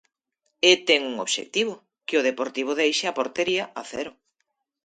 E ten un obxectivo, que o Deportivo deixe a portería a cero.